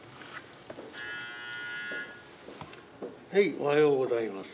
おはようございます。